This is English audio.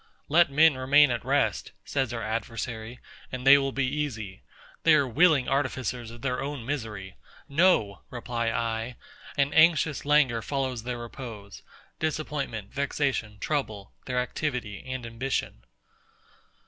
Let men remain at rest, says our adversary, and they will be easy. They are willing artificers of their own misery. ... No! reply I: an anxious languor follows their repose; disappointment, vexation, trouble, their activity and ambition.